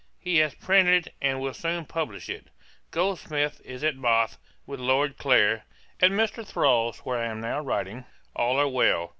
He has printed, and will soon publish it. Goldsmith is at Bath, with Lord Clare. At Mr. Thrale's, where I am now writing, all are well.